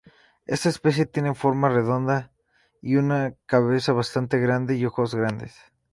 Esta especie tiene una forma redondeada y una cabeza bastante grande y ojos grandes.